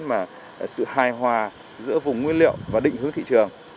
mà sự hài hòa giữa vùng nguyên liệu và định hướng thị trường